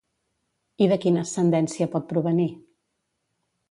I de quina ascendència pot provenir?